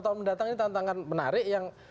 tahun mendatang ini tantangan menarik yang